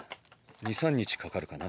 ２３日かかるかな。